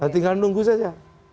tinggal nunggu saja